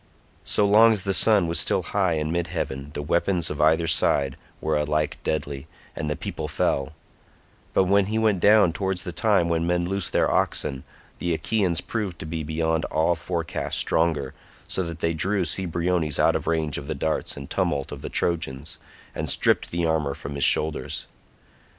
So long as the sun was still high in mid heaven the weapons of either side were alike deadly, and the people fell; but when he went down towards the time when men loose their oxen, the Achaeans proved to be beyond all forecast stronger, so that they drew Cebriones out of range of the darts and tumult of the Trojans, and stripped the armour from his shoulders.